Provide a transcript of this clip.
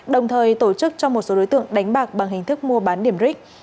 đồng thời tổ chức cho một số đối tượng đánh bạc bằng hình thức mua bán điểm ric